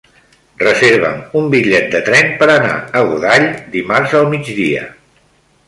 Reserva'm un bitllet de tren per anar a Godall dimarts al migdia.